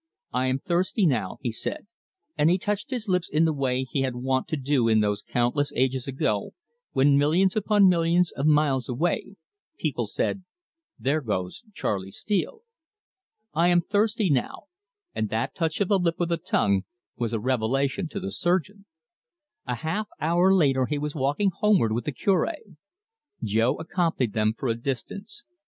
"I am thirsty now," he said, and he touched his lips in the way he was wont to do in those countless ages ago, when, millions upon millions of miles away, people said: "There goes Charley Steele!" "I am thirsty now," and that touch of the lip with the tongue, were a revelation to the surgeon. A half hour later he was walking homeward with the Cure. Jo accompanied them for a distance.